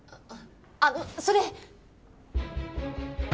あのそれ！